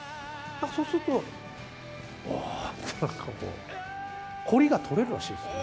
そうすると、わーってなんかこう、凝りが取れるらしいですね。